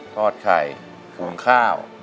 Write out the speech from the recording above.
ทอดไข่คุมข้าว